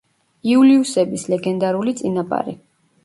იულიუსების ლეგენდარული წინაპარი.